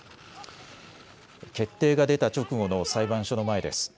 決定が出た直後の裁判所の前です。